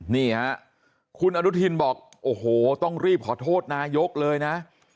นี่ฮะคุณอนุทินบอกโอ้โหต้องรีบขอโทษนายกเลยนะ